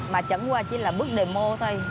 mà chẳng qua chỉ là bước demo thôi